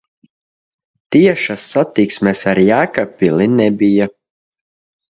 Tiešas satiksmes ar Jēkabpili nebija.